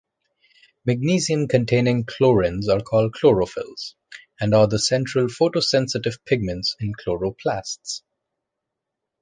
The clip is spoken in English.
Magnesium-containing chlorins are called chlorophylls, and are the central photosensitive pigment in chloroplasts.